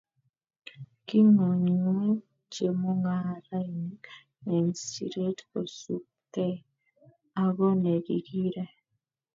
Kiing'unyng'uny chemung'arainik eng siret kosupgei ako ne kikiker.